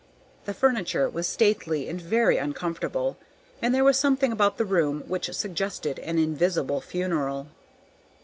The furniture was stately and very uncomfortable, and there was something about the room which suggested an invisible funeral.